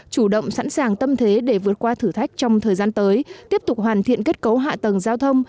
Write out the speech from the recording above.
chủ động sẵn sàng tâm thế để vượt qua thử thách trong thời gian tới tiếp tục hoàn thiện kết cấu hạ tầng giao thông